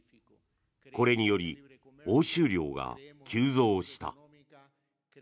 これにより、押収量が急増した。